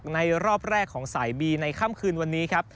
ในรอบแรกของสายบีในค่ำคืนวันนี้ครับ